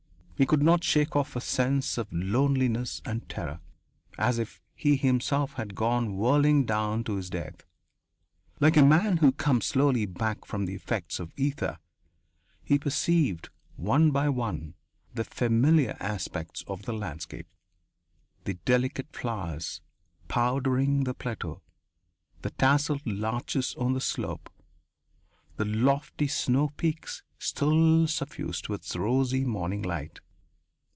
He could not shake off a sense of loneliness and terror, as if he himself had gone whirling down to his death. Like a man who comes slowly back from the effects of ether, he perceived, one by one, the familiar aspects of the landscape the delicate flowers powdering the plateau, the tasselled larches on the slope, the lofty snow peaks still suffused with rosy morning light.